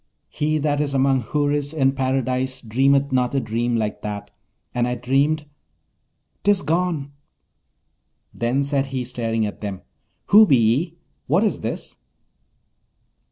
He that is among Houris in Paradise dreameth not a dream like that. And I dreamed 'tis gone!' Then said he, staring at them, 'Who be ye? What is this?'